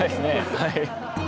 はい。